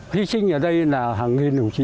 hy sinh ở đây là hàng nghìn đồng chí